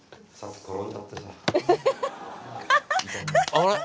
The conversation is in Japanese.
あれ？